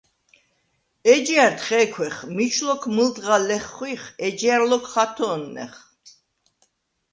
ეჯჲარდ ხე̄ქვეხ: მიჩ ლოქ მჷლდღა ლეხხვიხ, ეჯჲარ ლოქ ხათო̄ნნეხ.